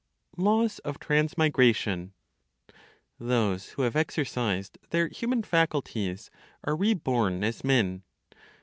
LAWS OF TRANSMIGRATION. Those who have exercised their human faculties are re born as men.